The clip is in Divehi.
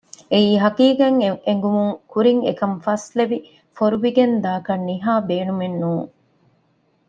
އެ ހަޤީޤަތް އެނގުމުގެ ކުރިން އެކަން ފަސްލެވި ފޮރުވިގެން ދާކަށް ނިހާ ބޭނުމެއް ނޫން